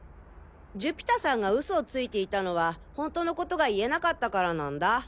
寿飛太さんが嘘をついていたのは本当のことが言えなかったからなんだ。